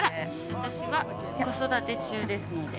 私は子育て中ですので。